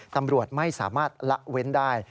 ตำรวจไม่สามารถละเว้นได้